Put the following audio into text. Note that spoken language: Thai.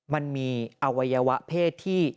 มันมีอวัยวะเพศที่